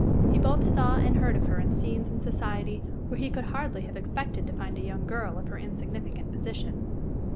He both saw and heard of her in scenes and society where he could hardly have expected to find a young girl of her insignificant position.